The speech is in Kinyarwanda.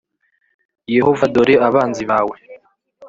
yehova dore abanzi bawe